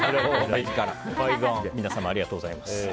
皆様、ありがとうございます。